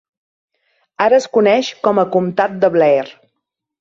Ara es coneix com a comtat de Blair.